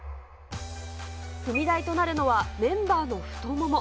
踏み台となるのはメンバーの太もも。